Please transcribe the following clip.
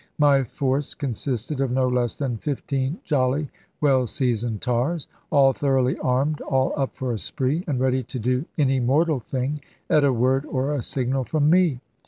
My force consisted of no less than fifteen jolly well seasoned tars, all thoroughly armed, all up for a spree, and ready to do any mortal thing at a word or a signal from me.